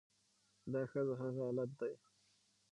دا ښځه هغه حالت دى